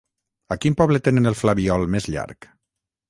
A quin poble tenen el flabiol més llarg?